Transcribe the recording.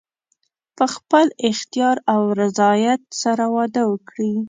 په خپل اختیار او رضایت سره واده وکړي.